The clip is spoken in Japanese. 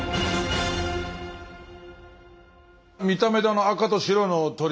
見た目であの赤と白の鳥